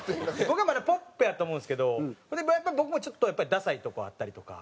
僕はまだポップやと思うんですけどでもやっぱり僕もちょっとダサいとこあったりとか。